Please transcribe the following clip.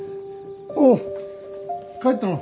おう帰ったの？